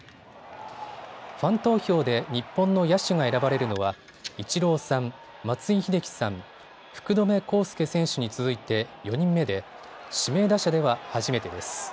ファン投票で日本の野手が選ばれるのはイチローさん、松井秀喜さん、福留孝介選手に続いて４人目で指名打者では初めてです。